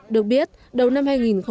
được biết đầu năm hai nghìn một mươi bảy